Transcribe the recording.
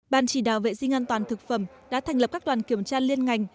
ban chỉ đạo vệ sinh an toàn thực phẩm đã thành lập các đoàn kiểm tra liên ngành